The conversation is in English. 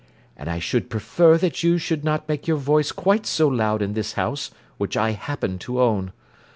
"And I should prefer that you would not make your voice quite so loud in this house, which I happen to own.